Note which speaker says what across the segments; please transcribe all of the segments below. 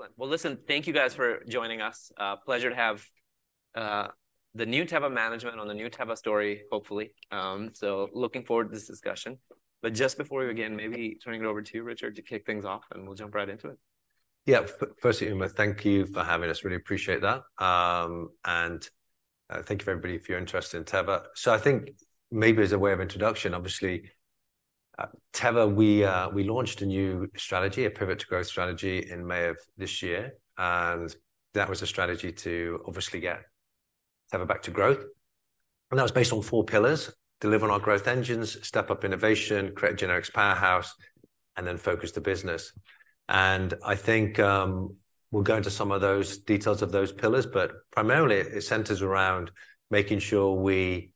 Speaker 1: Excellent. Well, listen, thank you guys for joining us. Pleasure to have the new Teva management on the new Teva story, hopefully. So looking forward to this discussion. But just before we begin, maybe turning it over to you, Richard, to kick things off, and we'll jump right into it.
Speaker 2: Yeah. Firstly, Uma, thank you for having us. Really appreciate that. And thank you, everybody, for your interest in Teva. So I think maybe as a way of introduction, obviously, Teva, we launched a new strategy, a pivot to growth strategy, in May of this year, and that was a strategy to obviously get Teva back to growth. And that was based on four pillars: deliver on our growth engines; step up innovation; create a generics powerhouse; and then focus the business. And I think we'll go into some of those details of those pillars, but primarily it centers around making sure we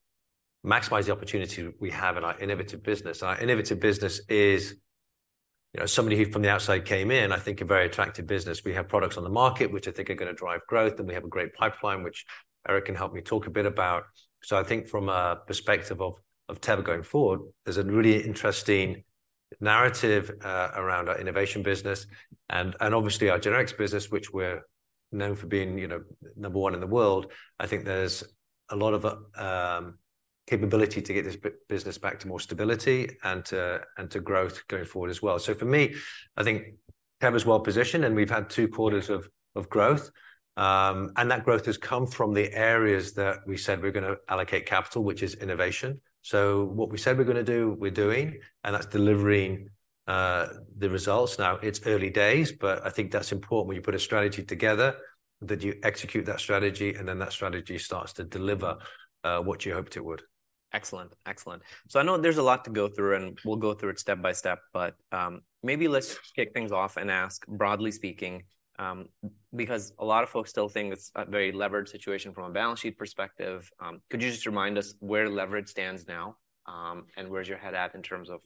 Speaker 2: maximize the opportunity we have in our innovative business. Our innovative business is, you know, somebody who from the outside came in, I think a very attractive business. We have products on the market, which I think are gonna drive growth, and we have a great pipeline, which Eric can help me talk a bit about. So I think from a perspective of Teva going forward, there's a really interesting narrative around our innovation business and obviously our generics business, which we're known for being, you know, number one in the world. I think there's a lot of capability to get this business back to more stability and to growth going forward as well. So for me, I think Teva's well-positioned, and we've had two quarters of growth. And that growth has come from the areas that we said we're gonna allocate capital, which is innovation. So what we said we're gonna do, we're doing, and that's delivering the results. Now, it's early days, but I think that's important when you put a strategy together, that you execute that strategy, and then that strategy starts to deliver what you hoped it would.
Speaker 1: Excellent, excellent. So I know there's a lot to go through, and we'll go through it step by step, but, maybe let's kick things off and ask, broadly speaking, because a lot of folks still think it's a very levered situation from a balance sheet perspective, could you just remind us where leverage stands now, and where's your head at in terms of,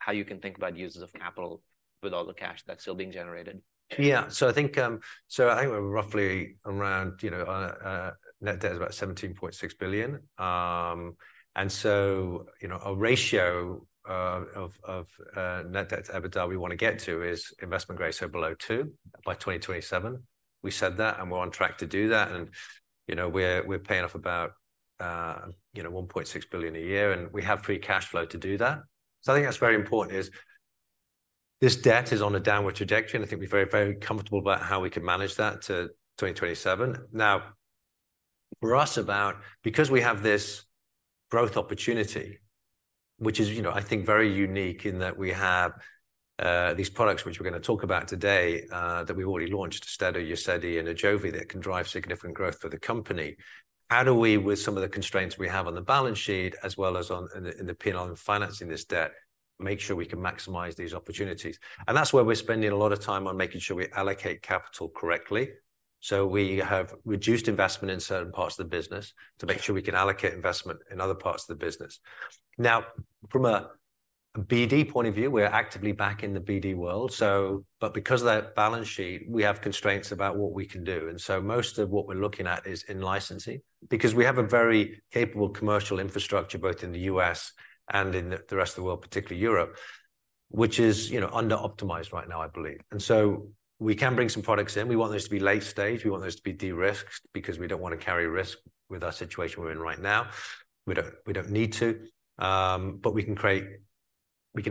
Speaker 1: how you can think about uses of capital with all the cash that's still being generated?
Speaker 2: Yeah. So I think we're roughly around, you know, net debt is about $17.6 billion. And so, you know, a ratio of net debt to EBITDA we wanna get to is investment grade, so below two, by 2027. We said that, and we're on track to do that. And, you know, we're paying off about, you know, $1.6 billion a year, and we have free cash flow to do that. So I think that's very important is, this debt is on a downward trajectory, and I think we're very, very comfortable about how we can manage that to 2027. Now, for us, about... Because we have this growth opportunity, which is, you know, I think, very unique in that we have these products which we're gonna talk about today that we've already launched, AUSTEDO, UZEDY, and AJOVY, that can drive significant growth for the company. How do we, with some of the constraints we have on the balance sheet, as well as on, in the, in the P&L and financing this debt, make sure we can maximize these opportunities? And that's where we're spending a lot of time on making sure we allocate capital correctly. So we have reduced investment in certain parts of the business to make sure we can allocate investment in other parts of the business. Now, from a BD point of view, we're actively back in the BD world. So, but because of that balance sheet, we have constraints about what we can do, and so most of what we're looking at is in licensing. Because we have a very capable commercial infrastructure, both in the U.S. and in the rest of the world, particularly Europe, which is, you know, under-optimized right now, I believe. And so we can bring some products in. We want those to be late stage, we want those to be de-risked because we don't want to carry risk with our situation we're in right now. We don't, we don't need to, but we can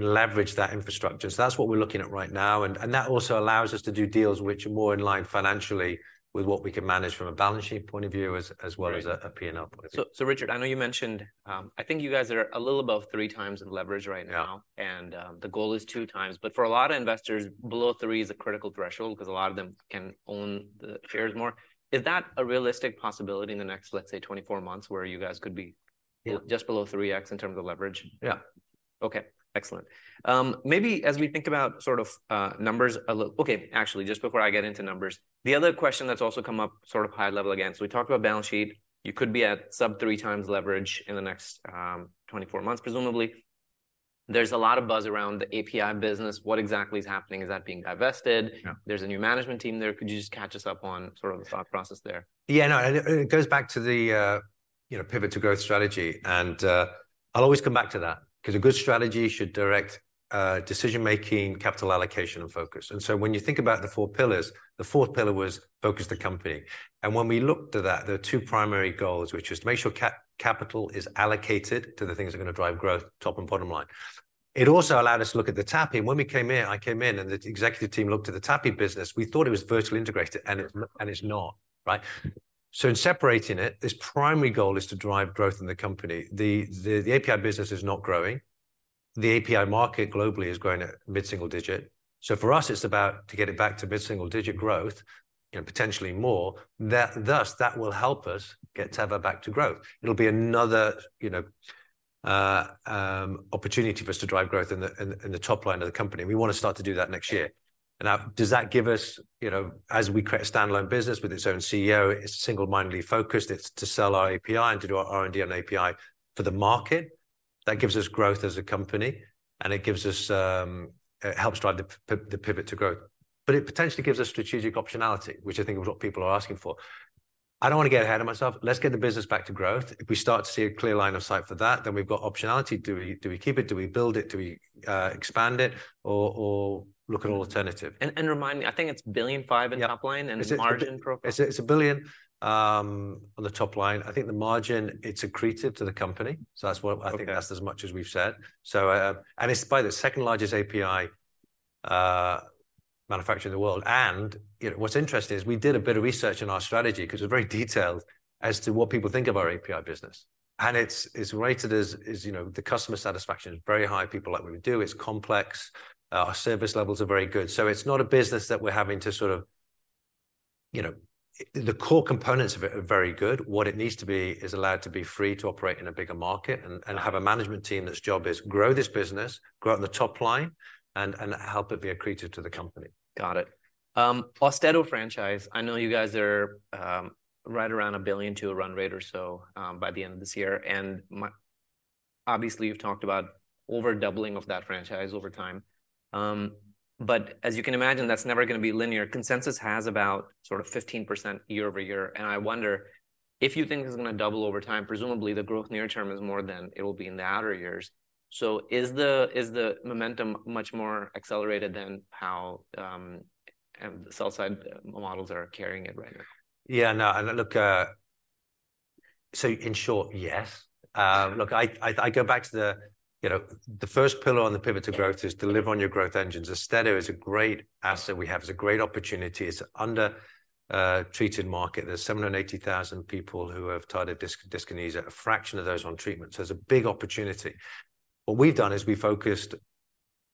Speaker 2: leverage that infrastructure. So that's what we're looking at right now, and that also allows us to do deals which are more in line financially with what we can manage from a balance sheet point of view, as well as-
Speaker 1: Right...
Speaker 2: a P&L point of view.
Speaker 1: Richard, I know you mentioned, I think you guys are a little above three times in leverage right now.
Speaker 2: Yeah.
Speaker 1: The goal is two times. But for a lot of investors, below three is a critical threshold because a lot of them can own the shares more. Is that a realistic possibility in the next, let's say, 24 months, where you guys could be-
Speaker 2: Yeah...
Speaker 1: just below 3x in terms of leverage?
Speaker 2: Yeah.
Speaker 1: Okay, excellent. Maybe as we think about sort of numbers a little. Okay, actually, just before I get into numbers, the other question that's also come up, sort of high level again, so we talked about balance sheet. You could be at sub 3x leverage in the next 24 months, presumably. There's a lot of buzz around the API business. What exactly is happening? Is that being divested?
Speaker 2: Yeah.
Speaker 1: There's a new management team there. Could you just catch us up on sort of the thought process there?
Speaker 2: Yeah, no, and it goes back to the, you know, pivot to growth strategy. And I'll always come back to that, 'cause a good strategy should direct decision-making, capital allocation, and focus. And so when you think about the four pillars, the fourth pillar was focus the company. And when we looked at that, there were two primary goals, which was to make sure capital is allocated to the things that are gonna drive growth, top and bottom line. It also allowed us to look at the TAPI. When we came in, I came in, and the executive team looked at the TAPI business, we thought it was vertically integrated, and it's-
Speaker 1: Yeah...
Speaker 2: and it's not, right? So in separating it, its primary goal is to drive growth in the company. The API business is not growing. The API market globally is growing at mid-single digit. So for us, it's about to get it back to mid-single digit growth, you know, potentially more. That will help us get Teva back to growth. It'll be another, you know, opportunity for us to drive growth in the top line of the company. We want to start to do that next year. And now, does that give us... You know, as we create a standalone business with its own CEO, it's single-mindedly focused. It's to sell our API and to do our R&D on API for the market. That gives us growth as a company, and it gives us, it helps drive the pivot to growth. But it potentially gives us strategic optionality, which I think is what people are asking for. I don't wanna get ahead of myself. Let's get the business back to growth. If we start to see a clear line of sight for that, then we've got optionality. Do we, do we keep it? Do we build it? Do we, expand it or, or look at an alternative?
Speaker 1: remind me, I think it's $1.5 billion in the top line-
Speaker 2: Yeah.
Speaker 1: and the margin profile.
Speaker 2: It's a $1 billion on the top line. I think the margin, it's accretive to the company, so that's what-
Speaker 1: Okay.
Speaker 2: I think that's as much as we've said. So it's by the second largest API manufacturer in the world. And, you know, what's interesting is we did a bit of research in our strategy, 'cause we're very detailed as to what people think of our API business. And it's rated as, you know, the customer satisfaction is very high. People like what we do. It's complex. Our service levels are very good. So it's not a business that we're having to sort of, you know, the core components of it are very good. What it needs to be is allowed to be free to operate in a bigger market, and have a management team that's job is: grow this business, grow it in the top line, and help it be accretive to the company.
Speaker 1: Got it. AUSTEDO franchise, I know you guys are right around $1.2 billion run rate or so by the end of this year. And my-- obviously, you've talked about over doubling of that franchise over time. But as you can imagine, that's never gonna be linear. Consensus has about sort of 15% year-over-year, and I wonder if you think it's gonna double over time, presumably, the growth near term is more than it will be in the outer years. So is the momentum much more accelerated than how the sell-side models are carrying it right now?
Speaker 2: Yeah. No, and look, so in short, yes.
Speaker 1: Yeah.
Speaker 2: Look, I go back to the, you know, the first pillar on the pivot to growth is deliver on your growth engines. AUSTEDO is a great asset we have. It's a great opportunity. It's an under treated market. There's 780,000 people who have tardive dyskinesia, a fraction of those on treatment. So there's a big opportunity. What we've done is we focused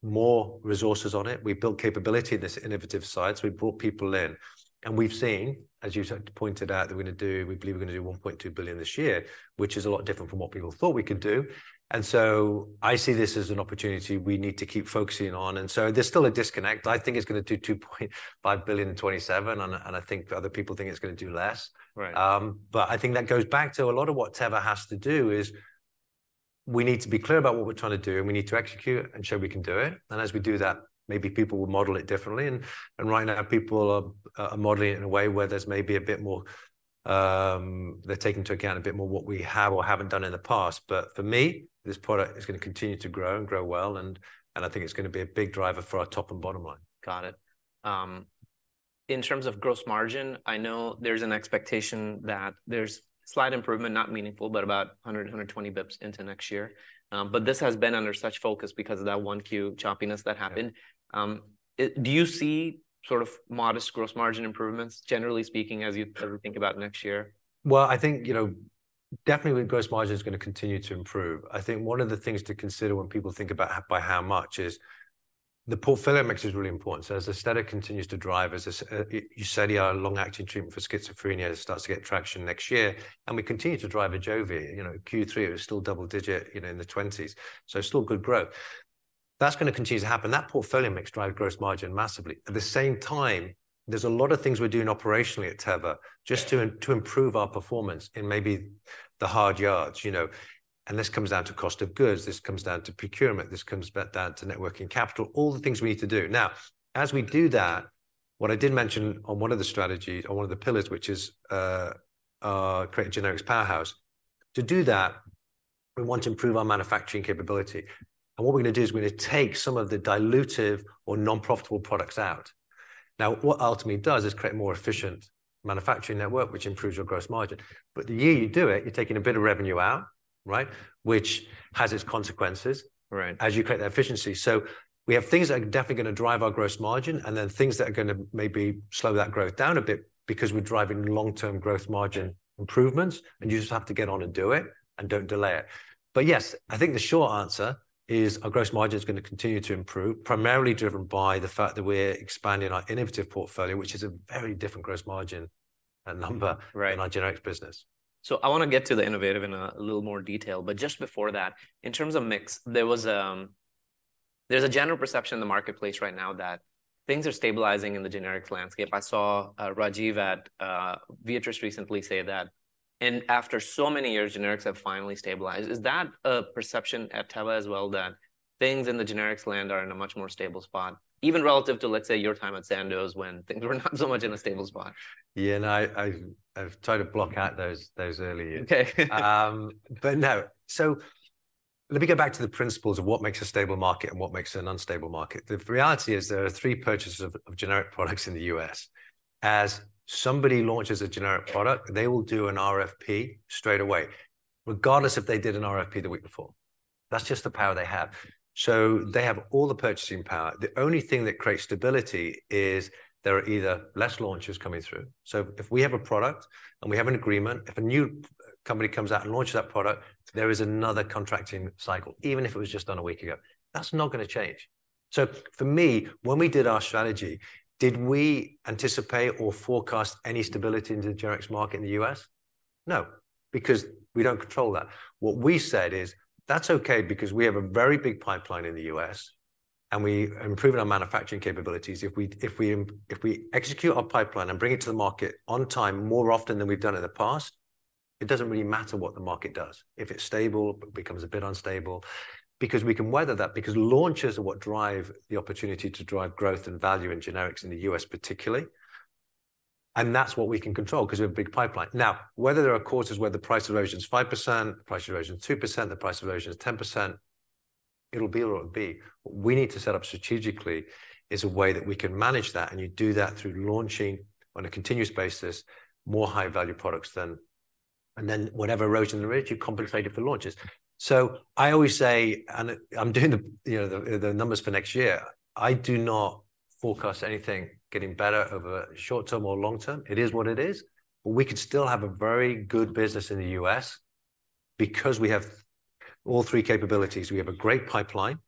Speaker 2: more resources on it. We've built capability in this innovative side, so we've brought people in. And we've seen, as you pointed out, that we're gonna do—we believe we're gonna do $1.2 billion this year, which is a lot different from what people thought we could do. And so I see this as an opportunity we need to keep focusing on. And so there's still a disconnect. I think it's gonna do $2.5 billion in 2027, and I think other people think it's gonna do less.
Speaker 1: Right.
Speaker 2: But I think that goes back to a lot of what Teva has to do, is we need to be clear about what we're trying to do, and we need to execute it and show we can do it. And as we do that, maybe people will model it differently. And right now, people are modeling it in a way where there's maybe a bit more. They're taking into account a bit more what we have or haven't done in the past. But for me, this product is gonna continue to grow and grow well, and I think it's gonna be a big driver for our top and bottom line.
Speaker 1: Got it. In terms of gross margin, I know there's an expectation that there's slight improvement, not meaningful, but about 100-120 basis points into next year. But this has been under such focus because of that 1Q choppiness that happened.
Speaker 2: Yeah.
Speaker 1: Do you see sort of modest gross margin improvements, generally speaking, as you think about next year?
Speaker 2: Well, I think, you know, definitely, gross margin is gonna continue to improve. I think one of the things to consider when people think about by how much is, the portfolio mix is really important. So as AUSTEDO continues to drive, as UZEDY, our long-acting treatment for schizophrenia, starts to get traction next year, and we continue to drive AJOVY. You know, Q3, it was still double digit, you know, in the 20s, so still good growth. That's gonna continue to happen. That portfolio mix drive gross margin massively. At the same time, there's a lot of things we're doing operationally at Teva-
Speaker 1: Yeah...
Speaker 2: just to improve our performance in maybe the hard yards, you know. And this comes down to cost of goods, this comes down to procurement, this comes back down to working capital, all the things we need to do. Now, as we do that, what I did mention on one of the strategies or one of the pillars, which is create a generics powerhouse. To do that, we want to improve our manufacturing capability. And what we're gonna do is we're gonna take some of the dilutive or non-profitable products out. Now, what ultimately it does is create more efficient manufacturing network, which improves your gross margin. But the year you do it, you're taking a bit of revenue out, right? Which has its consequences-
Speaker 1: Right...
Speaker 2: as you create that efficiency. So we have things that are definitely gonna drive our gross margin, and then things that are gonna maybe slow that growth down a bit because we're driving long-term growth margin improvements, and you just have to get on and do it, and don't delay it. But yes, I think the short answer is our gross margin is gonna continue to improve, primarily driven by the fact that we're expanding our innovative portfolio, which is a very different gross margin number-
Speaker 1: Right...
Speaker 2: in our generics business.
Speaker 1: So I wanna get to the innovative in a little more detail, but just before that, in terms of mix, there was, there's a general perception in the marketplace right now that things are stabilizing in the generics landscape. I saw, Rajiv at, Viatris recently say that, "And after so many years, generics have finally stabilized." Is that a perception at Teva as well, that things in the generics land are in a much more stable spot, even relative to, let's say, your time at Sandoz, when things were not so much in a stable spot?
Speaker 2: Yeah, no, I've tried to block out those early years.
Speaker 1: Okay.
Speaker 2: But no. So let me go back to the principles of what makes a stable market and what makes an unstable market. The reality is, there are three purchasers of generic products in the U.S. As somebody launches a generic product, they will do an RFP straight away, regardless if they did an RFP the week before. That's just the power they have. So they have all the purchasing power. The only thing that creates stability is there are either less launches coming through. So if we have a product and we have an agreement, if a new company comes out and launches that product, there is another contracting cycle, even if it was just done a week ago. That's not gonna change. So for me, when we did our strategy, did we anticipate or forecast any stability in the generics market in the U.S.? No, because we don't control that. What we said is, "That's okay, because we have a very big pipeline in the U.S., and we are improving our manufacturing capabilities. If we execute our pipeline and bring it to the market on time, more often than we've done in the past. It doesn't really matter what the market does, if it's stable, it becomes a bit unstable, because we can weather that, because launches are what drive the opportunity to drive growth and value in generics in the U.S. particularly, and that's what we can control, 'cause we have a big pipeline. Now, whether there are quarters where the price erosion is 5%, the price erosion is 2%, the price erosion is 10%, it'll be what it'll be. What we need to set up strategically is a way that we can manage that, and you do that through launching, on a continuous basis, more high-value products than—and then whatever erosion there is, you compensate it for launches. So I always say, and I'm doing the, you know, the numbers for next year, I do not forecast anything getting better over short-term or long-term. It is what it is. But we could still have a very good business in the U.S. because we have all three capabilities. We have a great pipeline,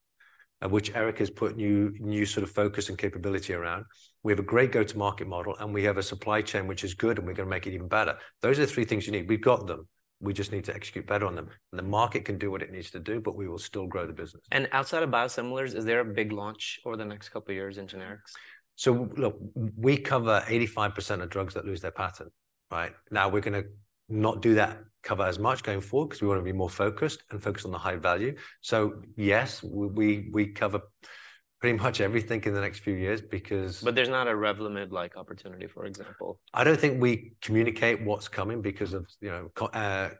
Speaker 2: at which Eric has put new sort of focus and capability around. We have a great go-to-market model, and we have a supply chain, which is good, and we're gonna make it even better. Those are the three things you need. We've got them. We just need to execute better on them. The market can do what it needs to do, but we will still grow the business.
Speaker 1: Outside of biosimilars, is there a big launch over the next couple of years in generics?
Speaker 2: So, look, we cover 85% of drugs that lose their patent, right? Now, we're gonna not do that, cover as much going forward, 'cause we wanna be more focused and focused on the high value. So yes, we cover pretty much everything in the next few years because-
Speaker 1: But there's not a Revlimid-like opportunity, for example?
Speaker 2: I don't think we communicate what's coming because of, you know,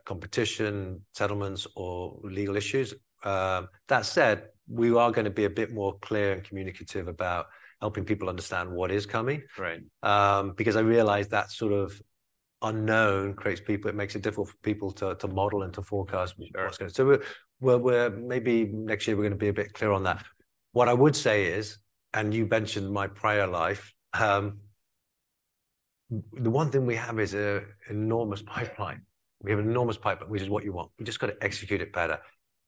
Speaker 2: competition, settlements, or legal issues. That said, we are gonna be a bit more clear and communicative about helping people understand what is coming.
Speaker 1: Right.
Speaker 2: Because I realize that sort of unknown creates people. It makes it difficult for people to model and to forecast what's going to-
Speaker 1: Sure.
Speaker 2: So we're maybe next year, we're gonna be a bit clearer on that. What I would say is, and you mentioned my prior life, the one thing we have is an enormous pipeline. We have an enormous pipeline, which is what you want. We just got to execute it better.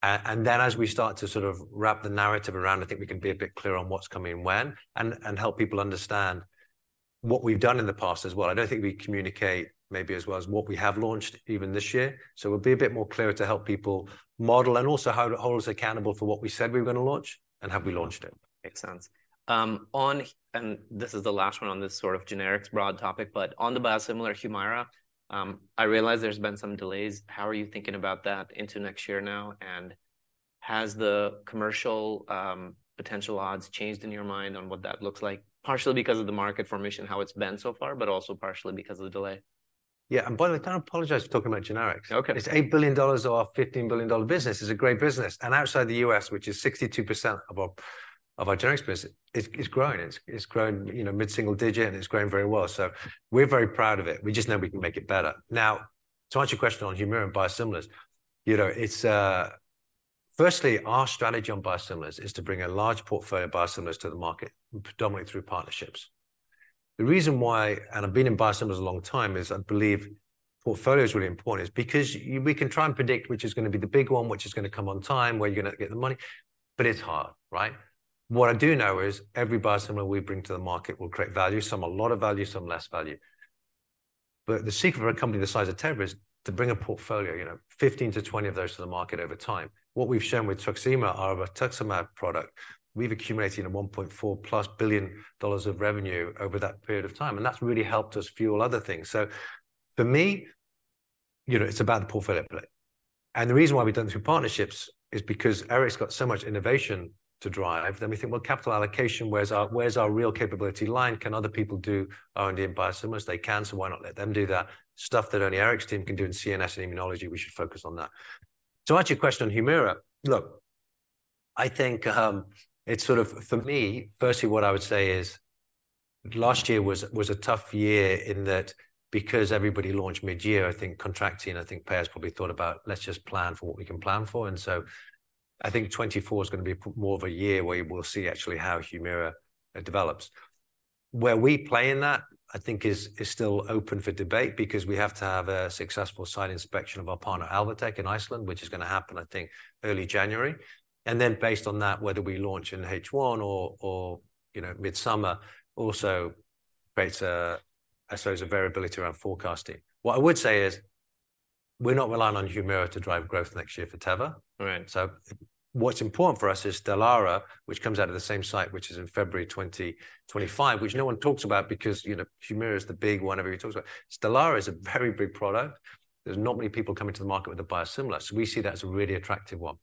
Speaker 2: And then as we start to sort of wrap the narrative around, I think we can be a bit clearer on what's coming when, and help people understand what we've done in the past as well. I don't think we communicate maybe as well as what we have launched even this year. So we'll be a bit more clearer to help people model and also how to hold us accountable for what we said we were gonna launch, and have we launched it?
Speaker 1: Makes sense. On... And this is the last one on this sort of generics broad topic, but on the biosimilar HUMIRA, I realize there's been some delays. How are you thinking about that into next year now? And has the commercial, potential odds changed in your mind on what that looks like, partially because of the market formation, how it's been so far, but also partially because of the delay?
Speaker 2: Yeah, and by the way, I apologize for talking about generics.
Speaker 1: Okay.
Speaker 2: It's $8 billion of our $15 billion business. It's a great business. And outside the U.S., which is 62% of our generics business, it's growing. It's growing, you know, mid-single digit, and it's growing very well. So we're very proud of it. We just know we can make it better. Now, to answer your question on HUMIRA and biosimilars, you know, firstly, our strategy on biosimilars is to bring a large portfolio of biosimilars to the market, predominantly through partnerships. The reason why, and I've been in biosimilars a long time, is I believe portfolio is really important, is because we can try and predict which is gonna be the big one, which is gonna come on time, where you're gonna get the money, but it's hard, right? What I do know is every biosimilar we bring to the market will create value, some a lot of value, some less value. But the secret for a company the size of Teva is to bring a portfolio, you know, 15-20 of those to the market over time. What we've shown with Truxima, our rituximab product, we've accumulated a $1.4+ billion of revenue over that period of time, and that's really helped us fuel other things. So for me, you know, it's about the portfolio play. And the reason why we've done it through partnerships is because Eric's got so much innovation to drive. Then we think, well, capital allocation, where's our, where's our real capability line? Can other people do R&D and biosimilars? They can, so why not let them do that? Stuff that only Eric's team can do in CNS and immunology, we should focus on that. To answer your question on HUMIRA, look, I think, it's sort of, for me, firstly, what I would say is, last year was a tough year in that because everybody launched mid-year, I think contracting and I think payers probably thought about, "Let's just plan for what we can plan for." And so I think 2024 is gonna be more of a year where we'll see actually how HUMIRA develops. Where we play in that, I think is still open for debate because we have to have a successful site inspection of our partner, Alvotech, in Iceland, which is gonna happen, I think, early January. And then based on that, whether we launch in H1 or, or, you know, midsummer, also creates a, I suppose, a variability around forecasting. What I would say is, we're not relying on HUMIRA to drive growth next year for Teva.
Speaker 1: Right.
Speaker 2: So what's important for us is Stelara, which comes out of the same site, which is in February 2025, which no one talks about because, you know, HUMIRA is the big one everybody talks about. Stelara is a very big product. There's not many people coming to the market with a biosimilar, so we see that as a really attractive one.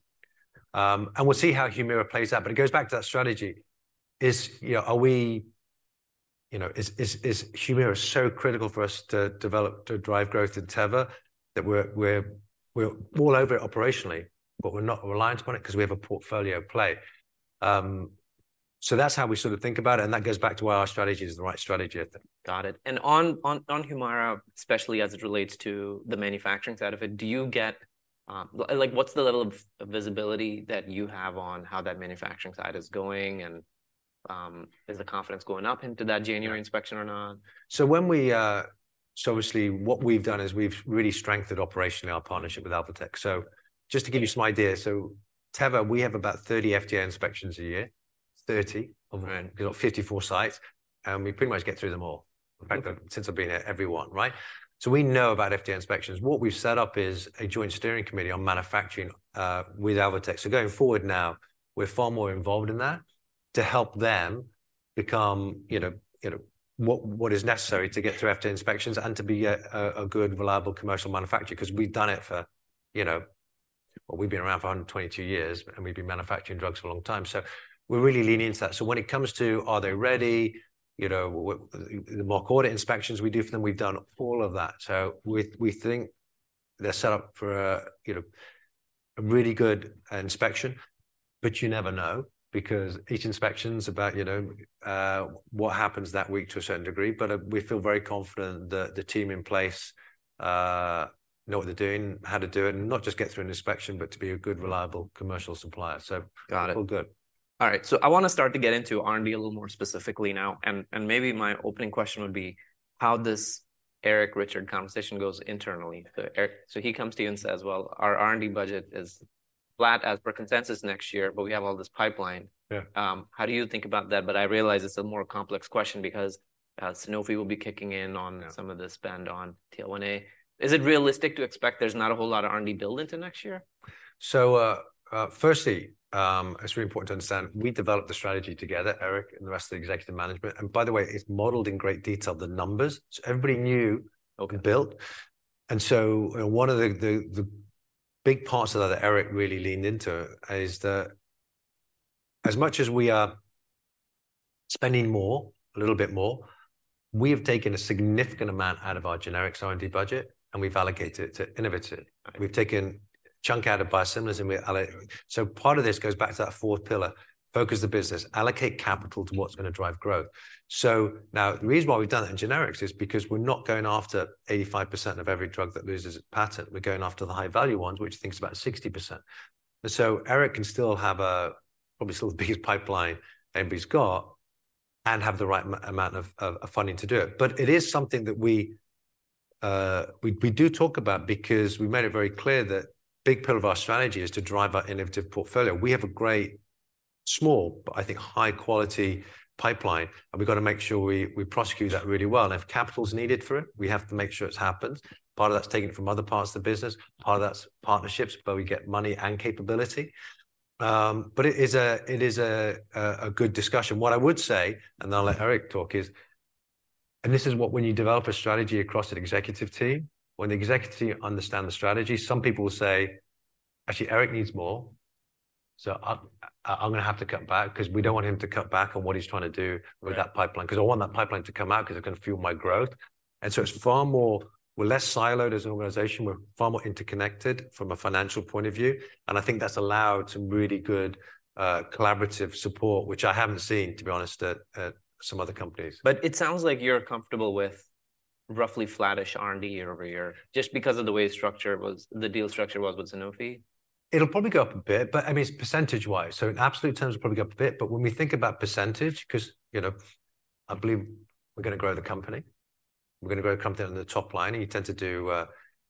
Speaker 2: And we'll see how HUMIRA plays out, but it goes back to that strategy. You know, is HUMIRA so critical for us to develop, to drive growth in Teva, that we're all over it operationally, but we're not reliant upon it because we have a portfolio play. So that's how we sort of think about it, and that goes back to why our strategy is the right strategy, I think.
Speaker 1: Got it. On HUMIRA, especially as it relates to the manufacturing side of it, do you get like what's the level of visibility that you have on how that manufacturing side is going? And is the confidence going up into that January inspection or not?
Speaker 2: So obviously, what we've done is we've really strengthened operationally our partnership with Alvotech. So just to give you some idea, so Teva, we have about 30 FDA inspections a year. Thirty-
Speaker 1: Right...
Speaker 2: around, you know, 54 sites, and we pretty much get through them all.
Speaker 1: Okay.
Speaker 2: In fact, since I've been here, every one, right? So we know about FDA inspections. What we've set up is a joint steering committee on manufacturing with Alvotech. So going forward now, we're far more involved in that to help them become, you know, you know, what is necessary to get through FDA inspections and to be a good, reliable commercial manufacturer. 'Cause we've done it for, you know—Well, we've been around for 122 years, and we've been manufacturing drugs for a long time. So we're really leaning into that. So when it comes to, are they ready, you know, the mock audit inspections we do for them, we've done all of that. So we think they're set up for a, you know, a really good inspection, but you never know because each inspection's about, you know, what happens that week to a certain degree. But we feel very confident that the team in place know what they're doing, how to do it, and not just get through an inspection, but to be a good, reliable commercial supplier. So-
Speaker 1: Got it.
Speaker 2: All good.
Speaker 1: All right, so I want to start to get into R&D a little more specifically now, and, and maybe my opening question would be: how this Eric, Richard conversation goes internally? So Eric, so he comes to you and says, "Well, our R&D budget is flat as per consensus next year, but we have all this pipeline.
Speaker 2: Yeah.
Speaker 1: How do you think about that? But I realize it's a more complex question because Sanofi will be kicking in on-
Speaker 2: Yeah...
Speaker 1: some of the spend on. Is it realistic to expect there's not a whole lot of R&D build into next year?
Speaker 2: So, firstly, it's really important to understand, we developed the strategy together, Eric and the rest of the executive management. And by the way, it's modeled in great detail, the numbers. So everybody knew-
Speaker 1: Okay...
Speaker 2: build. And so, one of the big parts of that that Eric really leaned into is that as much as we are spending more, a little bit more, we have taken a significant amount out of our generics R&D budget, and we've allocated it to innovative. We've taken a chunk out of biosimilars, and we allocated. So part of this goes back to that fourth pillar: focus the business, allocate capital to what's gonna drive growth. So now, the reason why we've done that in generics is because we're not going after 85% of every drug that loses its patent. We're going after the high-value ones, which I think is about 60%. So Eric can still have a probably still the biggest pipeline anybody's got and have the right amount of funding to do it. But it is something that we do talk about because we made it very clear that a big pillar of our strategy is to drive our innovative portfolio. We have a great, small, but I think high-quality pipeline, and we've got to make sure we prosecute that really well. And if capital is needed for it, we have to make sure it happens. Part of that's taken from other parts of the business, part of that's partnerships, where we get money and capability. But it is a good discussion. What I would say, and then I'll let Eric talk, is... And this is what when you develop a strategy across an executive team, when the executive team understand the strategy, some people will say, "Actually, Eric needs more, so I'm gonna have to cut back because we don't want him to cut back on what he's trying to do with that pipeline. Because I want that pipeline to come out because it's gonna fuel my growth." And so it's far more—we're less siloed as an organization. We're far more interconnected from a financial point of view, and I think that's allowed some really good collaborative support, which I haven't seen, to be honest, at some other companies.
Speaker 1: But it sounds like you're comfortable with roughly flattish R&D year-over-year, just because of the way the structure was, the deal structure was with Sanofi?
Speaker 2: It'll probably go up a bit, but, I mean, it's percentage-wise, so in absolute terms, it'll probably go up a bit. But when we think about percentage, 'cause, you know, I believe we're gonna grow the company, we're gonna grow the company on the top line, and you tend to do,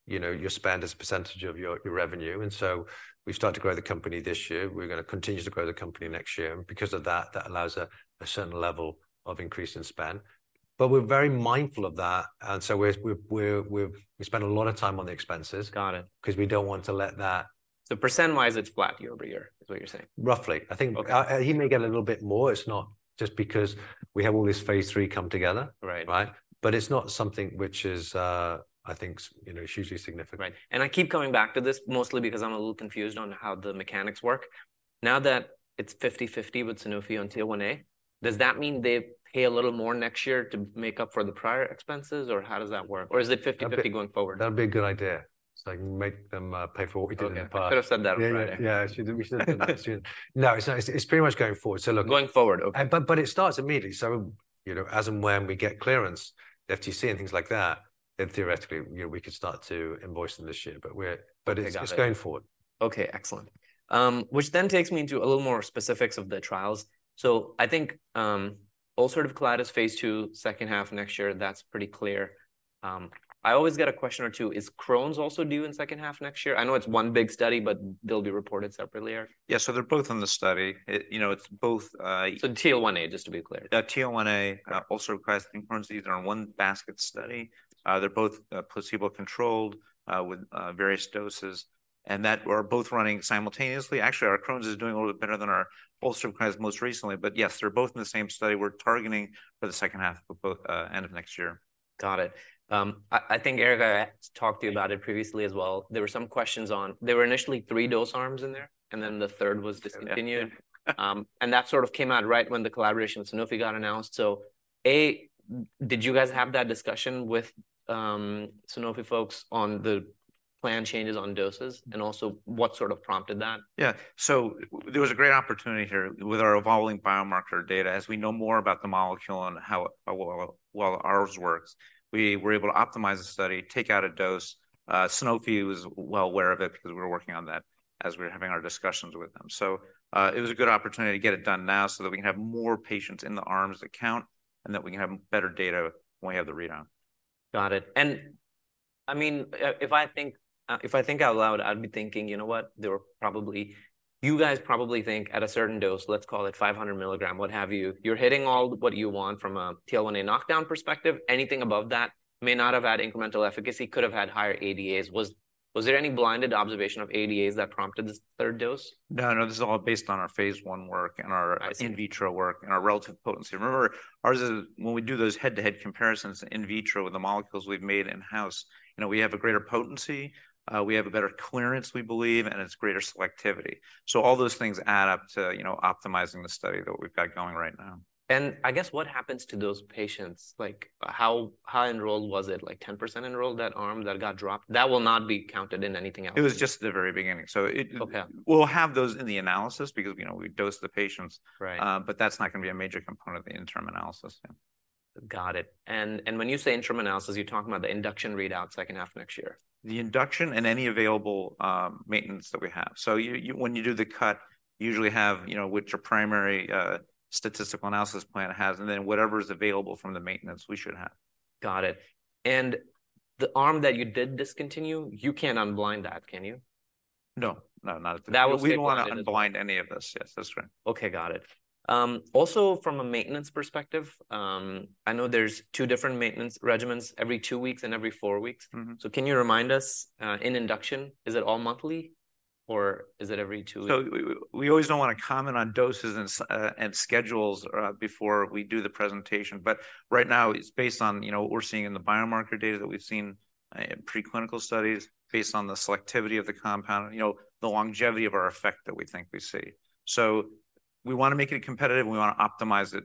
Speaker 2: you know, your spend as a percentage of your, your revenue. And so we've started to grow the company this year. We're gonna continue to grow the company next year, and because of that, that allows a certain level of increase in spend. But we're very mindful of that, and so we spend a lot of time on the expenses-
Speaker 1: Got it...
Speaker 2: 'cause we don't want to let that-
Speaker 1: Percent-wise, it's flat year-over-year, is what you're saying?
Speaker 2: Roughly.
Speaker 1: Okay.
Speaker 2: I think, he may get a little bit more. It's not just because we have all this Phase III come together.
Speaker 1: Right.
Speaker 2: Right? But it's not something which is, I think, you know, hugely significant.
Speaker 1: Right. And I keep coming back to this, mostly because I'm a little confused on how the mechanics work. Now that it's 50/50 with Sanofi on TL1A, does that mean they pay a little more next year to make up for the prior expenses, or how does that work? Or is it 50/50 going forward?
Speaker 2: That'd be a good idea. So, like, make them pay for what we did in the past.
Speaker 1: Could have said that upfront.
Speaker 2: Yeah, yeah, we should have done that. No, it's, it's pretty much going forward. So look-
Speaker 1: Going forward, okay.
Speaker 2: But it starts immediately. So, you know, as and when we get clearance, the FTC and things like that, then theoretically, you know, we could start to invoice them this year. But we're-
Speaker 1: I got it.
Speaker 2: But it's going forward.
Speaker 1: Okay, excellent. Which then takes me into a little more specifics of the trials. I think, ulcerative colitis, Phase II, second half of next year, that's pretty clear. I always get a question or two, is Crohn's also due in second half next year? I know it's one big study, but they'll be reported separately, Eric.
Speaker 3: Yeah, so they're both in the study. It, you know, it's both.
Speaker 1: TL1A, just to be clear.
Speaker 3: Yeah, TL1A, Ulcerative Colitis, Crohn's Disease, are in one basket study. They're both placebo-controlled with various doses, and that are both running simultaneously. Actually, our Crohn's is doing a little bit better than our Ulcerative Colitis most recently. But yes, they're both in the same study. We're targeting for the second half of both, end of next year.
Speaker 1: Got it. I think, Eric, I talked to you about it previously as well. There were some questions on... There were initially three dose arms in there, and then the third was discontinued.
Speaker 3: Yeah.
Speaker 1: That sort of came out right when the collaboration with Sanofi got announced. So, A, did you guys have that discussion with Sanofi folks on the plan changes on doses? And also, what sort of prompted that?
Speaker 3: Yeah. So there was a great opportunity here with our evolving biomarker data. As we know more about the molecule and how, well, well ours works, we were able to optimize the study, take out a dose. Sanofi was well aware of it because we were working on that as we were having our discussions with them. So, it was a good opportunity to get it done now so that we can have more patients in the arms that count, and that we can have better data when we have the readout.
Speaker 1: Got it. And, I mean, if I think, if I think out loud, I'd be thinking, you know what? There were probably— You guys probably think at a certain dose, let's call it 500 mg, what have you, you're hitting all what you want from a TL1A knockdown perspective. Anything above that may not have had incremental efficacy, could have had higher ADAs. Was there any blinded observation of ADAs that prompted this third dose?
Speaker 3: No, no, this is all based on our phase I work and our-
Speaker 1: Absolutely.
Speaker 3: - in vitro work, and our relative potency. Remember, ours is, when we do those head-to-head comparisons in vitro with the molecules we've made in-house, you know, we have a greater potency, we have a better clearance, we believe, and it's greater selectivity. So all those things add up to, you know, optimizing the study that we've got going right now.
Speaker 1: I guess what happens to those patients? Like, how enrolled was it? Like, 10% enrolled, that arm that got dropped, that will not be counted in anything else?
Speaker 3: It was just the very beginning. So it-
Speaker 1: Okay.
Speaker 3: We'll have those in the analysis because, you know, we dosed the patients.
Speaker 1: Right.
Speaker 3: That's not gonna be a major component of the interim analysis, yeah.
Speaker 1: Got it. And when you say interim analysis, you're talking about the induction readouts second half of next year?
Speaker 3: The induction and any available maintenance that we have. So you... When you do the cut, you usually have, you know, which your primary statistical analysis plan has, and then whatever is available from the maintenance we should have.
Speaker 1: Got it. And the arm that you did discontinue, you can't unblind that, can you?
Speaker 3: No. No, not at the-
Speaker 1: That was-
Speaker 3: We don't want to unblind any of this. Yes, that's correct.
Speaker 1: Okay, got it. Also from a maintenance perspective, I know there's two different maintenance regimens every two weeks and every four weeks.
Speaker 3: Mm-hmm.
Speaker 1: Can you remind us, in induction, is it all monthly or is it every two weeks?
Speaker 3: So we always don't want to comment on doses and schedules before we do the presentation, but right now it's based on, you know, what we're seeing in the biomarker data that we've seen in preclinical studies, based on the selectivity of the compound, you know, the longevity of our effect that we think we see. So we want to make it competitive, and we want to optimize it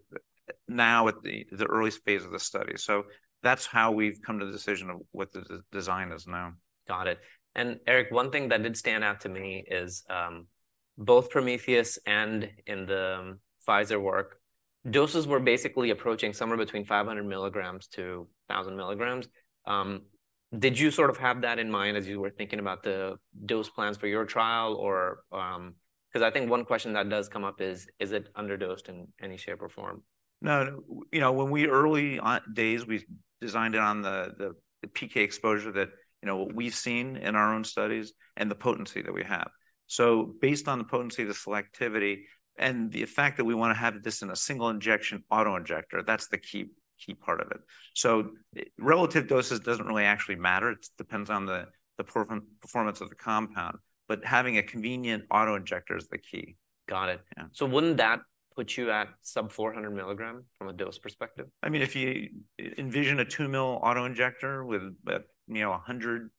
Speaker 3: now at the early phase of the study. So that's how we've come to the decision of what the design is now.
Speaker 1: Got it. And Eric, one thing that did stand out to me is, both Prometheus and in the Pfizer work, doses were basically approaching somewhere between 500 mg-1,000 mg. Did you sort of have that in mind as you were thinking about the dose plans for your trial? Or... Because I think one question that does come up is: Is it underdosed in any shape or form?
Speaker 3: No, you know, in the early days, we designed it on the PK exposure that, you know, what we've seen in our own studies and the potency that we have. So based on the potency, the selectivity, and the fact that we want to have this in a single injection auto-injector, that's the key, key part of it. So relative doses doesn't really actually matter. It depends on the performance of the compound, but having a convenient auto-injector is the key.
Speaker 1: Got it.
Speaker 3: Yeah.
Speaker 1: Wouldn't that put you at sub 400 mg from a dose perspective?
Speaker 3: I mean, if you envision a 2-mL auto-injector with, you know, 100,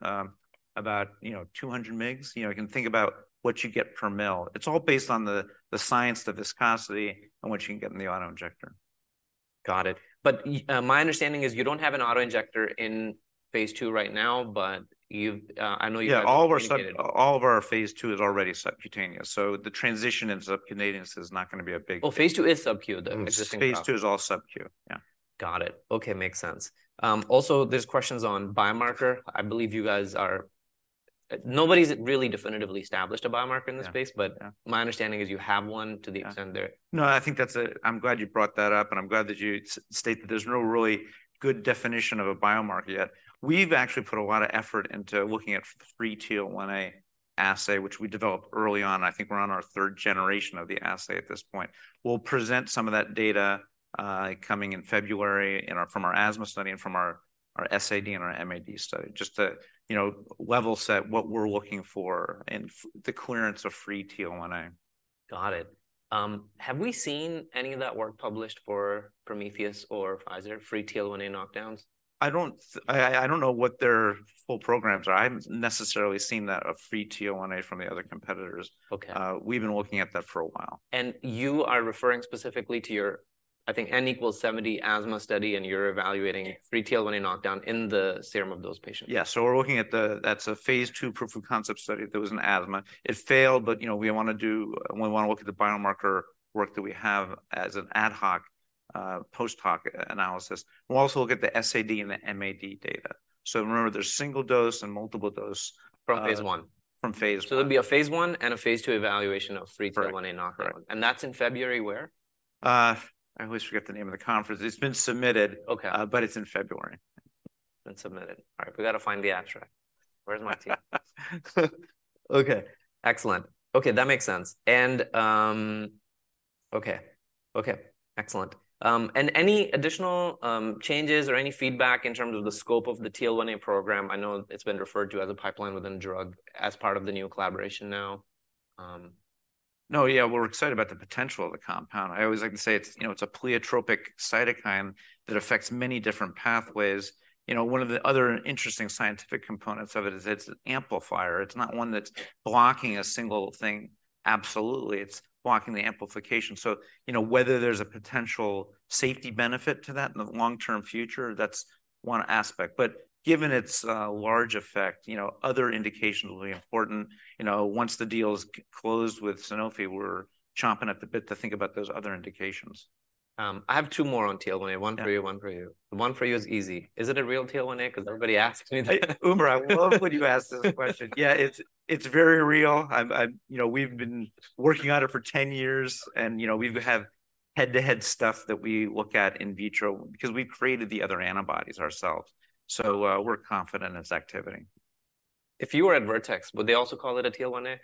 Speaker 3: about, you know, 200 mg, you know, you can think about what you get per mL. It's all based on the science, the viscosity, and what you can get in the auto-injector.
Speaker 1: Got it. But my understanding is you don't have an auto-injector in phase II right now, but you've, I know you've-
Speaker 3: Yeah, all of our phase II is already subcutaneous, so the transition into subcutaneous is not gonna be a big thing.
Speaker 1: Well, phase II is subcu, the existing product.
Speaker 3: phase II is all subcu, yeah.
Speaker 1: Got it. Okay, makes sense. Also, there's questions on biomarker. I believe you guys are- nobody's really definitively established a biomarker in this space-
Speaker 3: Yeah.
Speaker 1: But my understanding is you have one to the extent there.
Speaker 3: No, I think that's a... I'm glad you brought that up, and I'm glad that you stated that there's no really good definition of a biomarker yet. We've actually put a lot of effort into looking at free TL1A assay, which we developed early on. I think we're on our third generation of the assay at this point. We'll present some of that data coming in February from our asthma study and from our SAD and our MAD study, just to, you know, level set what we're looking for and the clearance of free TL1A.
Speaker 1: Got it. Have we seen any of that work published for Prometheus or Pfizer, free TL1A knockdowns?
Speaker 3: I don't know what their full programs are. I haven't necessarily seen that, a free TL1A from the other competitors.
Speaker 1: Okay.
Speaker 3: We've been looking at that for a while.
Speaker 1: You are referring specifically to your, I think, N=70 asthma study, and you're evaluating-
Speaker 3: Yes...
Speaker 1: free TL1A knockdown in the serum of those patients?
Speaker 3: Yeah, so we're looking at that. That's a phase II proof of concept study. There was an asthma. It failed, but, you know, we want to look at the biomarker work that we have as an ad hoc, post hoc analysis. We'll also look at the SAD and the MAD data. So remember, there's single dose and multiple dose.
Speaker 1: From phase I.
Speaker 3: From phase I.
Speaker 1: There'll be a phase I and a phase II evaluation of free TL1A knockdown.
Speaker 3: Correct.
Speaker 1: That's in February, where?
Speaker 3: I always forget the name of the conference. It's been submitted-
Speaker 1: Okay.
Speaker 3: But it's in February.
Speaker 1: It's been submitted. All right, we've got to find the abstract. Where's my team? Okay, excellent. Okay, that makes sense. And, okay. Okay, excellent. And any additional, changes or any feedback in terms of the scope of the TL1A program? I know it's been referred to as a pipeline within a drug, as part of the new collaboration now,
Speaker 3: No, yeah, we're excited about the potential of the compound. I always like to say it's, you know, it's a pleiotropic cytokine that affects many different pathways. You know, one of the other interesting scientific components of it is it's an amplifier. It's not one that's blocking a single thing, absolutely. It's blocking the amplification. So, you know, whether there's a potential safety benefit to that in the long-term future, that's one aspect. But given its large effect, you know, other indications will be important. You know, once the deal is closed with Sanofi, we're chomping at the bit to think about those other indications.
Speaker 1: I have two more on TL1A.
Speaker 3: Yeah.
Speaker 1: One for you, one for you. The one for you is easy. Is it a real TL1A? Because everybody asks me.
Speaker 3: Umber, I love when you ask this question. Yeah, it's very real. I've... You know, we've been working on it for 10 years, and, you know, we've have head-to-head stuff that we look at in vitro because we created the other antibodies ourselves. So, we're confident in its activity.
Speaker 1: If you were at Vertex, would they also call it a TL1A?...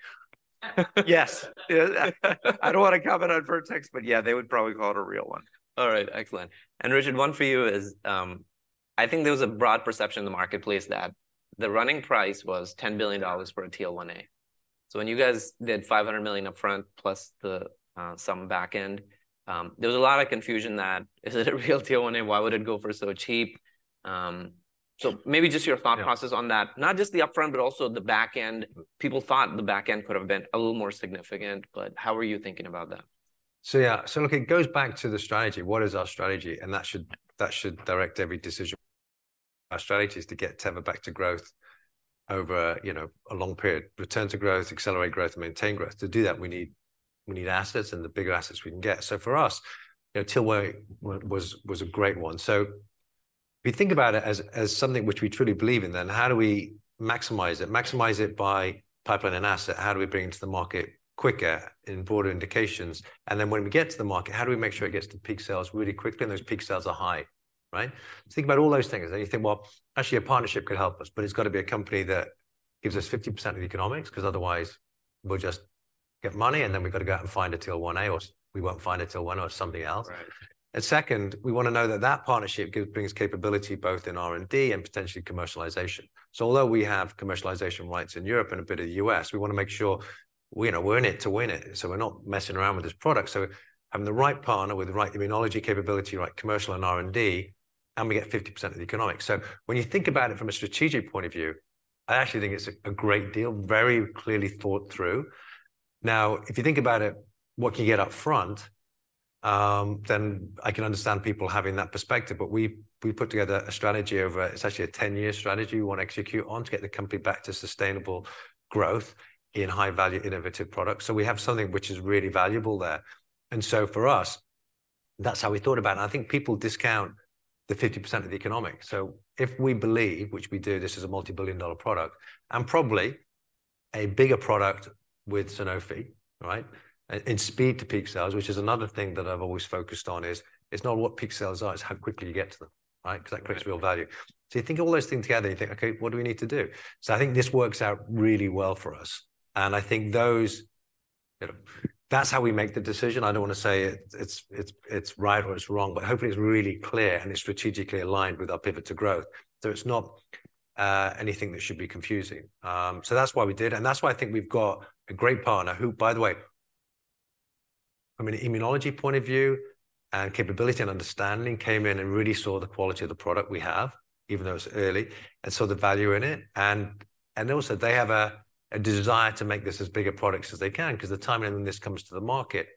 Speaker 1: Yes.
Speaker 2: I don't wanna comment on Vertex, but yeah, they would probably call it a real one.
Speaker 1: All right, excellent. And Richard, one for you is, I think there was a broad perception in the marketplace that the running price was $10 billion for a TL1A. So when you guys did $500 million upfront, plus the some back end, there was a lot of confusion that: Is it a real TL1A? Why would it go for so cheap? So maybe just your thought process-
Speaker 2: Yeah...
Speaker 1: on that. Not just the upfront, but also the back end. People thought the back end could have been a little more significant, but how were you thinking about that?
Speaker 2: So yeah, so look, it goes back to the strategy. What is our strategy? And that should direct every decision. Our strategy is to get Teva back to growth over, you know, a long period. Return to growth, accelerate growth, and maintain growth. To do that, we need assets, and the bigger assets we can get. So for us, you know, TL1A was a great one. So we think about it as something which we truly believe in, then how do we maximize it? Maximize it by pipeline and asset. How do we bring it to the market quicker in broader indications? And then when we get to the market, how do we make sure it gets to peak sales really quickly, and those peak sales are high, right? Think about all those things, and you think, "Well, actually a partnership could help us," but it's gotta be a company that gives us 50% of the economics, 'cause otherwise we'll just get money, and then we've gotta go out and find a TL1A, or we won't find a TL1A or somebody else.
Speaker 1: Right.
Speaker 2: Second, we wanna know that that partnership brings capability both in R&D and potentially commercialization. So although we have commercialization rights in Europe and a bit of the U.S., we wanna make sure, we're, you know, we're in it to win it, so we're not messing around with this product. So having the right partner with the right immunology capability, right commercial and R&D, and we get 50% of the economics. So when you think about it from a strategic point of view, I actually think it's a great deal, very clearly thought through. Now, if you think about it, what can you get up front, then I can understand people having that perspective, but we put together a strategy over. It's actually a 10-year strategy we wanna execute on to get the company back to sustainable growth in high-value, innovative products. So we have something which is really valuable there. And so for us, that's how we thought about it. And I think people discount the 50% of the economics. So if we believe, which we do, this is a multi-billion-dollar product, and probably a bigger product with Sanofi, right? And speed to peak sales, which is another thing that I've always focused on, is it's not what peak sales are, it's how quickly you get to them, right?
Speaker 1: Right.
Speaker 2: 'Cause that creates real value. So you think of all those things together, and you think, "Okay, what do we need to do?" So I think this works out really well for us, and I think those... You know, that's how we make the decision. I don't wanna say it, it's right or it's wrong, but hopefully it's really clear and is strategically aligned with our pivot to growth. So it's not anything that should be confusing. So that's why we did, and that's why I think we've got a great partner, who, by the way, from an immunology point of view, and capability and understanding, came in and really saw the quality of the product we have, even though it's early, and saw the value in it. And also, they have a desire to make this as big a product as they can, 'cause the timing when this comes to the market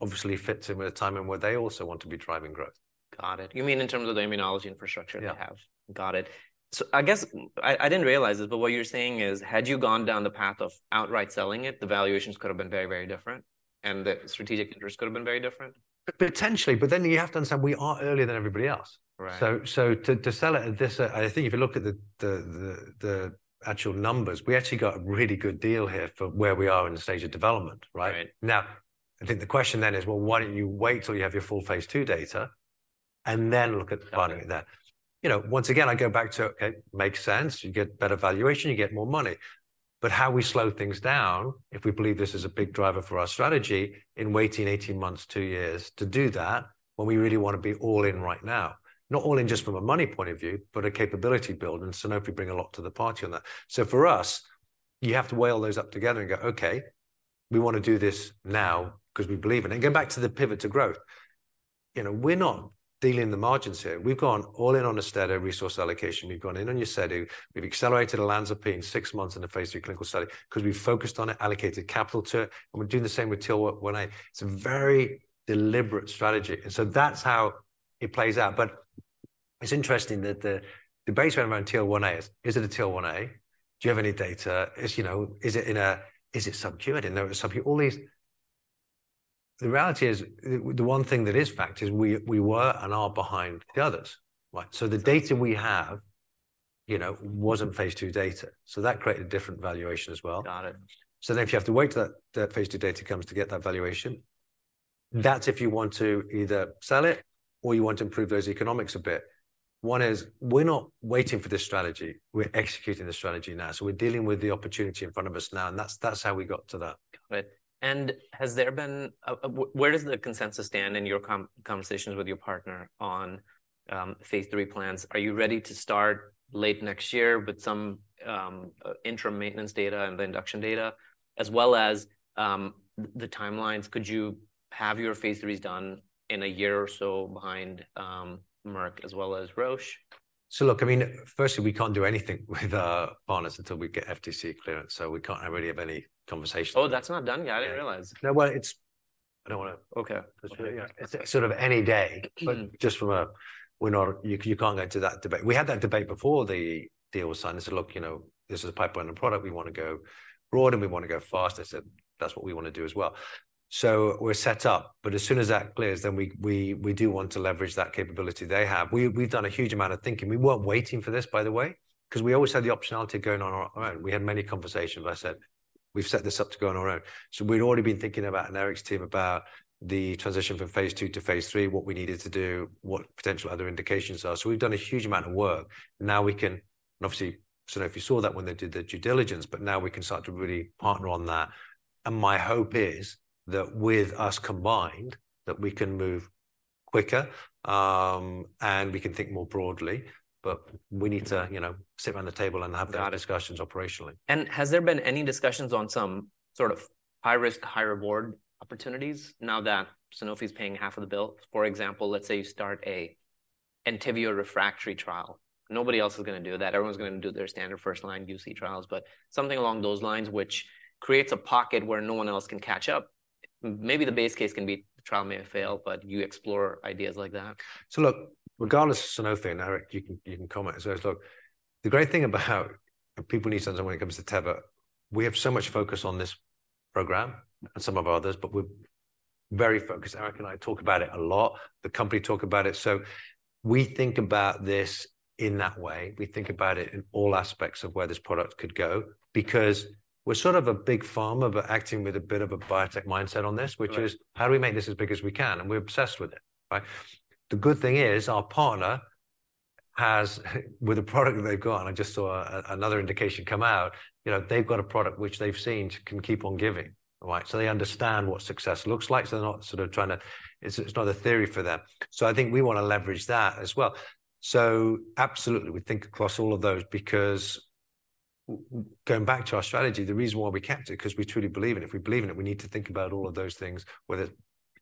Speaker 2: obviously fits in with a time when they also want to be driving growth.
Speaker 1: Got it. You mean in terms of the immunology infrastructure-
Speaker 2: Yeah...
Speaker 1: they have? Got it. So I guess I, I didn't realize this, but what you're saying is, had you gone down the path of outright selling it, the valuations could have been very, very different, and the strategic interest could have been very different?
Speaker 2: Potentially, but then you have to understand, we are earlier than everybody else.
Speaker 1: Right.
Speaker 2: So, to sell it at this, I think if you look at the actual numbers, we actually got a really good deal here for where we are in the stage of development, right?
Speaker 1: Right.
Speaker 2: Now, I think the question then is, well, why don't you wait till you have your full phase II data and then look at the value in that?
Speaker 1: Got it.
Speaker 2: You know, once again, I go back to it makes sense. You get better valuation, you get more money. But how we slow things down, if we believe this is a big driver for our strategy, in waiting 18 months, two years to do that, when we really wanna be all in right now. Not all in just from a money point of view, but a capability build, and Sanofi bring a lot to the party on that. So for us, you have to weigh all those up together and go, "Okay, we wanna do this now because we believe in it." And going back to the pivot to growth, you know, we're not dealing the margins here. We've gone all in on Stelara resource allocation. We've gone in on UZEDY, we've accelerated Olanzapine six months in the phase III clinical study, 'cause we've focused on it, allocated capital to it, and we're doing the same with TL1A. It's a very deliberate strategy, and so that's how it plays out. But it's interesting that the, the base rate around TL1A is: Is it a TL1A? Do you have any data? Is, you know... Is it in a- is it subcutaneous, or is it sub... All these... The reality is, the, the one thing that is fact is we, we were and are behind the others, right? So the data we have, you know, wasn't phase II data, so that created a different valuation as well.
Speaker 1: Got it.
Speaker 2: So then if you have to wait till that, that phase II data comes to get that valuation, that's if you want to either sell it or you want to improve those economics a bit. One is, we're not waiting for this strategy, we're executing the strategy now. So we're dealing with the opportunity in front of us now, and that's, that's how we got to that.
Speaker 1: Got it. And where does the consensus stand in your conversations with your partner on phase III plans? Are you ready to start late next year with some interim maintenance data and the induction data, as well as the timelines? Could you have your Phase IIIs done in a year or so behind Merck as well as Roche?
Speaker 2: So look, I mean, firstly, we can't do anything with our partners until we get FTC clearance, so we can't really have any conversations.
Speaker 1: Oh, that's not done yet?
Speaker 2: Yeah.
Speaker 1: I didn't realize.
Speaker 2: No, well, it's... I don't wanna-
Speaker 1: Okay.
Speaker 2: Yeah, it's sort of any day.
Speaker 1: Mm-hmm.
Speaker 2: But just from a, we're not—you can't go into that debate. We had that debate before the deal was signed. They said: "Look, you know, this is a pipeline and product. We wanna go broad, and we wanna go fast." I said, "That's what we wanna do as well." So we're set up, but as soon as that clears, then we do want to leverage that capability they have. We've done a huge amount of thinking. We weren't waiting for this, by the way, 'cause we always had the optionality of going on our own. We had many conversations. I said, "We've set this up to go on our own." So we'd already been thinking about, and Eric's team, about the transition from phase II to phase III, what we needed to do, what potential other indications are. So we've done a huge amount of work. And obviously, Sanofi saw that when they did their due diligence, but now we can start to really partner on that. And my hope is that with us combined, that we can move quicker, and we can think more broadly. But we need to, you know, sit around the table and have-
Speaker 1: Got it...
Speaker 2: the discussions operationally.
Speaker 1: Has there been any discussions on some sort of high-risk, high-reward opportunities now that Sanofi is paying half of the bill? For example, let's say you start a Entyvio refractory trial. Nobody else is gonna do that. Everyone's gonna do their standard first-line UC trials, but something along those lines, which creates a pocket where no one else can catch up. Maybe the base case can be the trial may fail, but you explore ideas like that.
Speaker 2: So look, regardless of Sanofi, and Eric, you can, you can comment. So look, the great thing about, people need to understand when it comes to Teva, we have so much focus on this program and some of others, but we're very focused. Eric and I talk about it a lot. The company talk about it. So we think about this in that way. We think about it in all aspects of where this product could go, because we're sort of a big pharma, but acting with a bit of a biotech mindset on this.
Speaker 1: Right...
Speaker 2: which is, how do we make this as big as we can? And we're obsessed with it, right? The good thing is, our partner has, with the product that they've got, I just saw another indication come out, you know, they've got a product which they've seen can keep on giving, right? So they understand what success looks like, so they're not sort of trying to... It's not a theory for them. So I think we want to leverage that as well. So absolutely, we think across all of those because going back to our strategy, the reason why we kept it, 'cause we truly believe in it. If we believe in it, we need to think about all of those things, whether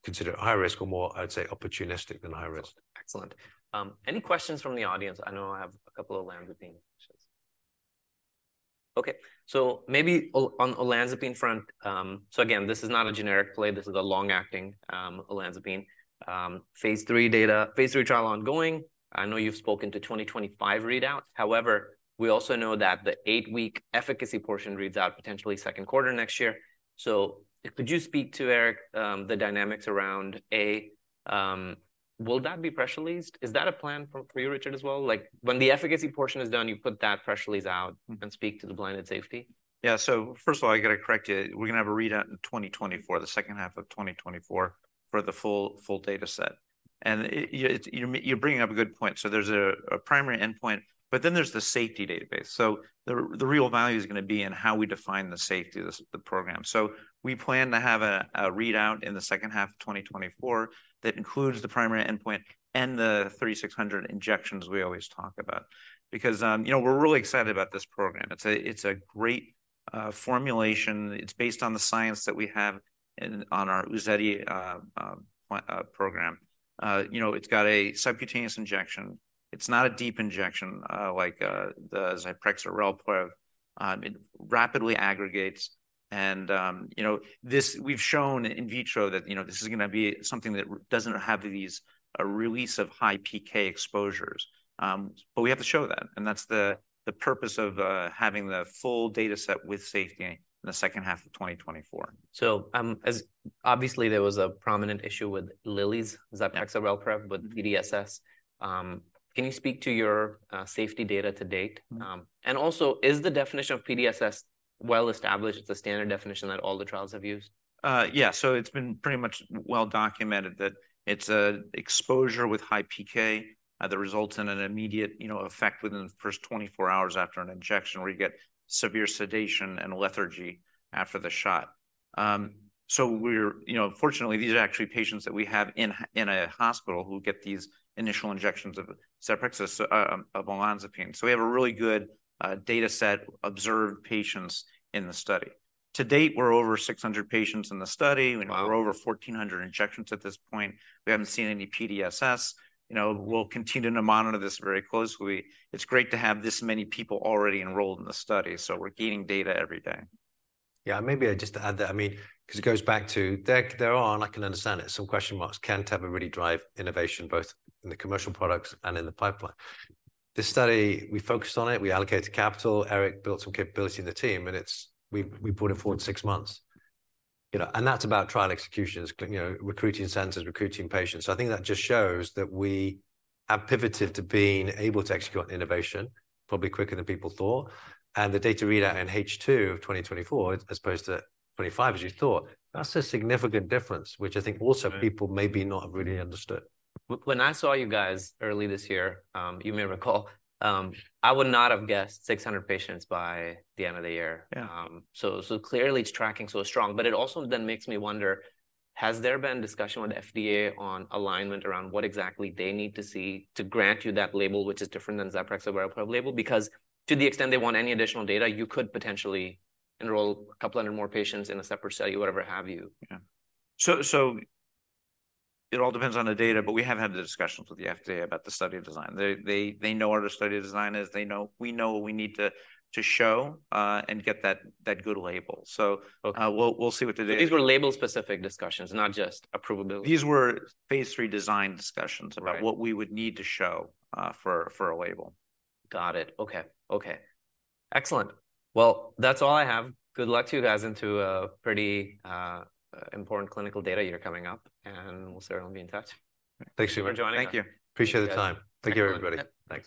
Speaker 2: consider it high risk or more, I'd say, opportunistic than high risk.
Speaker 1: Excellent. Any questions from the audience? I know I have a couple of olanzapine questions. Okay, so maybe on olanzapine front, so again, this is not a generic play, this is a long-acting olanzapine. Phase III data, phase III trial ongoing. I know you've spoken to 2025 readouts. However, we also know that the eight-week efficacy portion reads out potentially second quarter next year. So could you speak to, Eric, the dynamics around, A, will that be press released? Is that a plan for, for you, Richard, as well? Like, when the efficacy portion is done, you put that press release out-
Speaker 3: Mm-hmm....
Speaker 1: and speak to the blind safety?
Speaker 3: Yeah, so first of all, I got to correct you. We're gonna have a readout in 2024, the second half of 2024, for the full, full data set. And yeah, you're bringing up a good point. So there's a primary endpoint, but then there's the safety database. So the real value is gonna be in how we define the safety of this, the program. So we plan to have a readout in the second half of 2024 that includes the primary endpoint and the 3,600 injections we always talk about. Because, you know, we're really excited about this program. It's a great formulation. It's based on the science that we have in-- on our UZEDY program. You know, it's got a subcutaneous injection. It's not a deep injection, like, the Zyprexa Relprevv. It rapidly aggregates, and, you know, this—we've shown in vitro that, you know, this is gonna be something that doesn't have these, a release of high PK exposures. But we have to show that, and that's the purpose of having the full data set with safety in the second half of 2024.
Speaker 1: So, obviously, there was a prominent issue with Eli Lilly's Zyprexa Relprevv with PDSS. Can you speak to your safety data to date?
Speaker 3: Mm-hmm.
Speaker 1: And also, is the definition of PDSS well-established? It's the standard definition that all the trials have used.
Speaker 3: Yeah, so it's been pretty much well documented, that it's an exposure with high PK that results in an immediate, you know, effect within the first 24 hours after an injection, where you get severe sedation and lethargy after the shot. So we're, you know, fortunately, these are actually patients that we have in a hospital who get these initial injections of Zyprexa of olanzapine. So we have a really good data set, observed patients in the study. To date, we're over 600 patients in the study.
Speaker 1: Wow!
Speaker 3: We're over 1,400 injections at this point. We haven't seen any PDSS. You know, we'll continue to monitor this very closely. It's great to have this many people already enrolled in the study, so we're gaining data every day.
Speaker 2: Yeah, maybe just to add that, I mean, because it goes back to there, there are, and I can understand it, some question marks. Can Teva really drive innovation, both in the commercial products and in the pipeline? This study, we focused on it, we allocated capital, Eric built some capability in the team, and it's, we've brought it forward six months. You know, and that's about trial execution, you know, recruiting centers, recruiting patients. So I think that just shows that we have pivoted to being able to execute on innovation, probably quicker than people thought. And the data readout in H2 of 2024, as opposed to 2025, as you thought, that's a significant difference, which I think also-
Speaker 3: Right...
Speaker 2: people maybe not have really understood.
Speaker 1: When I saw you guys early this year, you may recall, I would not have guessed 600 patients by the end of the year.
Speaker 2: Yeah.
Speaker 1: So, so clearly, it's tracking so strong, but it also then makes me wonder, has there been discussion with the FDA on alignment around what exactly they need to see to grant you that label, which is different than Zyprexa Relprevv label? Because to the extent they want any additional data, you could potentially enroll a couple hundred more patients in a separate study, whatever have you.
Speaker 3: Yeah. So it all depends on the data, but we have had the discussions with the FDA about the study design. They know what our study design is. They know—we know what we need to show and get that good label. So-
Speaker 1: Okay...
Speaker 3: we'll, we'll see what they do.
Speaker 1: These were label-specific discussions, not just approvability.
Speaker 3: These were phase III design discussions.
Speaker 1: Okay...
Speaker 3: about what we would need to show for a label.
Speaker 1: Got it. Okay, okay. Excellent. Well, that's all I have. Good luck to you guys into a pretty important clinical data year coming up, and we'll certainly be in touch.
Speaker 2: Thanks so much.
Speaker 1: Thanks for joining us.
Speaker 3: Thank you.
Speaker 2: Appreciate the time.
Speaker 1: Yes.
Speaker 2: Thank you, everybody. Thanks.